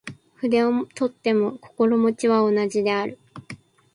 筆を執とっても心持は同じ事である。